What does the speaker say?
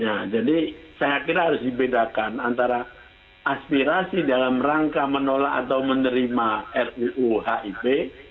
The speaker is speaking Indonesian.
nah jadi saya kira harus dibedakan antara aspirasi dalam rangka menolak atau menerima ruu hip